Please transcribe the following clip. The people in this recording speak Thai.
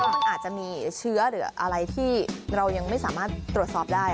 มันอาจจะมีเชื้อหรืออะไรที่เรายังไม่สามารถตรวจสอบได้